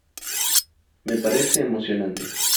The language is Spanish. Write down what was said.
me parece emocionante.